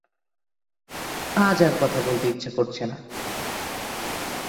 আজ আর কথা বলতে ইচ্ছা করছে না।